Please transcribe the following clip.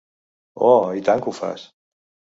Oh, i tant que ho fas!